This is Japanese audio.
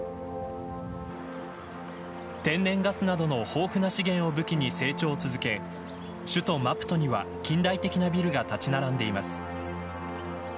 天然ガスなどの豊富な資源を武器に成長を続け首都マプトには近代的なビルが立ち並んでいます。